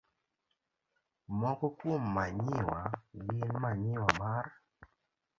Moko kuom manyiwa gin manyiwa mar